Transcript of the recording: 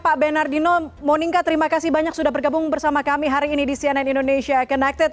pak bernardino monika terima kasih banyak sudah bergabung bersama kami hari ini di cnn indonesia connected